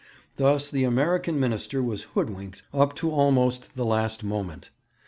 Thus the American Minister was hoodwinked up to almost the last moment.